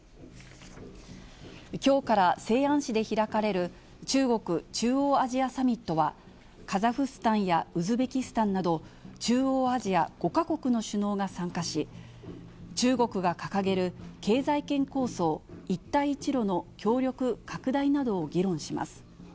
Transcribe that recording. きょうから西安市で開かれる、中国・中央アジアサミットは、カザフスタンやウズベキスタンなど、中央アジア５か国の首脳が参加し、中国が掲げる経済圏構想、一帯一路の協力拡大などを議論します。